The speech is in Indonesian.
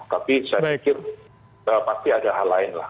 tapi saya pikir pasti ada hal lain lah